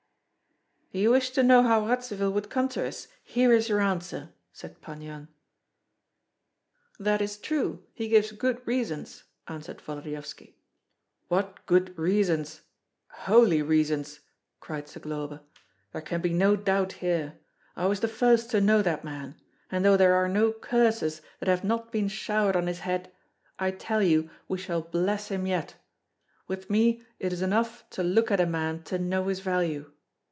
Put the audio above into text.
"You wished to know how Radzivill would come to us; here is your answer!" said Pan Yan. "That is true, he gives good reasons," answered Volodyovski. "What good reasons! holy reasons!" cried Zagloba. "There can be no doubt here. I was the first to know that man; and though there are no curses that have not been showered on his head, I tell you we shall bless him yet. With me it is enough to look at a man to know his value.